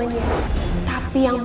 nuya mampan juga